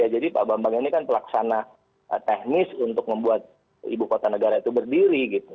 jadi pak bambang ini kan pelaksana teknis untuk membuat ibu kota negara itu berdiri